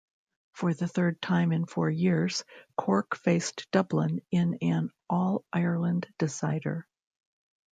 For the third time in four years Cork faced Dublin in an All-Ireland decider.